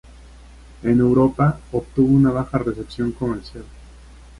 En Europa, obtuvo una baja recepción comercial.